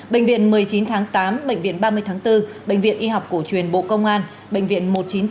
bệnh viện một mươi chín tháng tám bệnh viện ba mươi tháng bốn bệnh viện y học cổ truyền bộ công an bệnh viện một trăm chín mươi chín